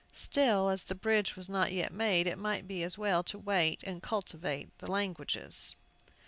Still, as the bridge was not yet made, it might be as well to wait and cultivate the languages.